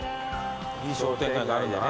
いい商店街があるんだな。